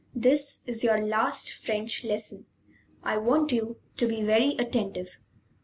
This is your last French lesson. I want you to be very attentive."